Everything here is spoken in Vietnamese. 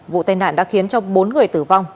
vụ tai nạn đã khiến cho bốn người tử vong